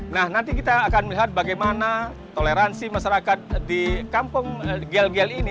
nah nanti kita akan melihat bagaimana toleransi masyarakat di kampung gel gel ini